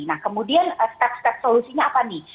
nah kemudian step step solusinya apa nih